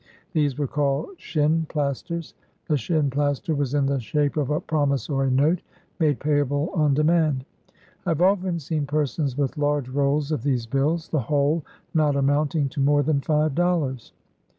These were called c shin plasters,' The c shin plaster ' was in the shape of a promissory note, made payable on demand. I have often seen persons with large rolls of these bills, the whole not amounting to more than five dollars.